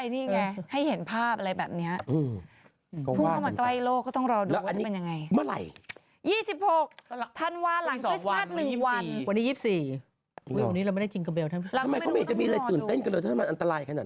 นางคิดแบบว่าไม่ไหวแล้วไปกด